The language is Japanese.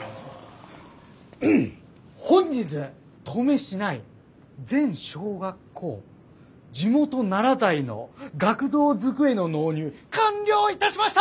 本日登米市内全小学校地元ナラ材の学童机の納入完了いたしました！